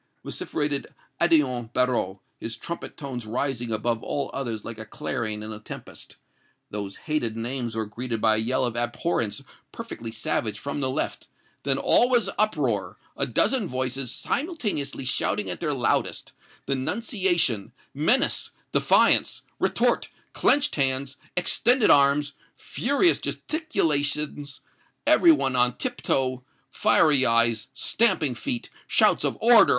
vociferated Odillon Barrot, his trumpet tones rising above all others like a clarion in a tempest. Those hated names were greeted by a yell of abhorrence perfectly savage from the left; then all was uproar a dozen voices simultaneously shouting at their loudest denunciation menace defiance retort clenched hands extended arms furious gesticulations every one on tip toe fiery eyes stamping feet shouts of 'Order!